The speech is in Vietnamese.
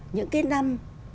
những cái năm